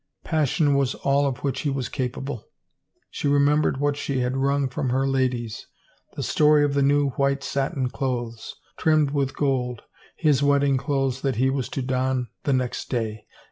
Passion was all of which he was capable. She remembered what she had wrung from her ladies — the story of the new white satin clothes, trimmed with gold, his wedding clothes that he was to don the next day.